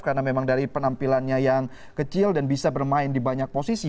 karena memang dari penampilannya yang kecil dan bisa bermain di banyak posisi